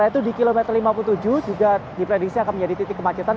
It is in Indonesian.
yaitu di kilometer lima puluh tujuh juga diprediksi akan menjadi titik kemacetan